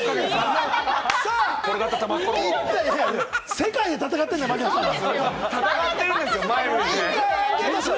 世界で戦ってるんだ、槙野さんは。